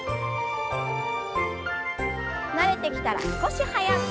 慣れてきたら少し速く。